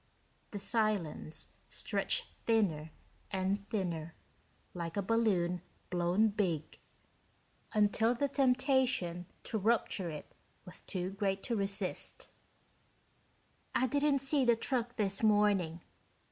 The silence stretched thinner and thinner, like a balloon blown big, until the temptation to rupture it was too great to resist. "I didn't see the truck this morning.